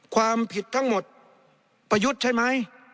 ความผิดทั้งหมดประยุทธ์ใช่ไหม